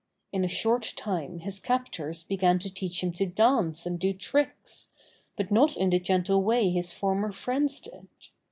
In a short time his captors began to teach him to dance and do tricks, but not in the gentle way his former friends did.